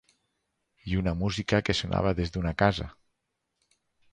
I una música que sonava des d'una casa...